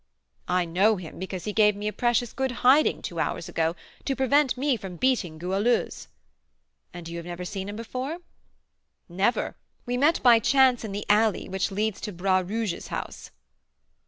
"I know him because he gave me a precious good hiding two hours ago, to prevent me from beating Goualeuse." "And have you never seen him before?" "Never; we met by chance in the alley which leads to Bras Rouge's house."